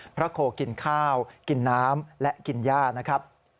พระโคกินข้าวกินน้ำและกินย่า